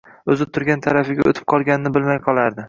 o'zi turgan tarafiga o'tib qolganini bilmay qolardi.